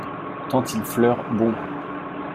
Tant il fleure bon !